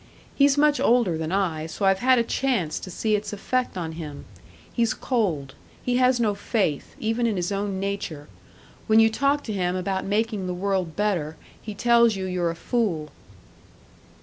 He's much older than I, so I've had a chance to see its effect on him. He's cold, he has no faith, even in his own nature; when you talk to him about making the world better he tells you you're a fool."